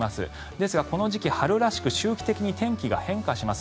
ですがこの時期春らしく周期的に変化します。